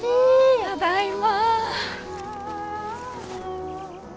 ただいま。